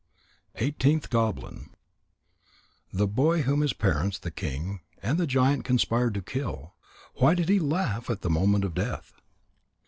EIGHTEENTH GOBLIN _The Boy whom his Parents, the King, and the Giant conspired to Kill. Why did he laugh at the moment of death?